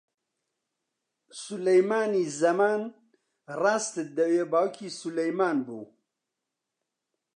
سولەیمانی زەمان، ڕاستت دەوێ، باوکی سولەیمان بوو